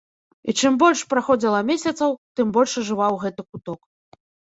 І чым больш праходзіла месяцаў, тым больш ажываў гэты куток.